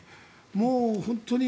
もう本当に。